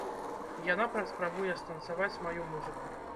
Яна паспрабуе станцаваць маю музыку!